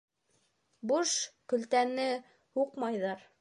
Буш көлтәне һуҡмайҙар.